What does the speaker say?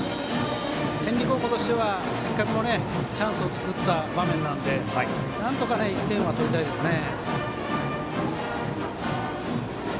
天理高校としてはせっかくのチャンスを作った場面なのでなんとか１点は取りたいですね。